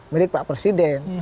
milik pak presiden